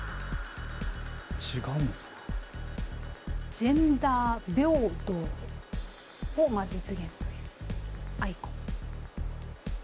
ジェンダー平等を実現というアイコン。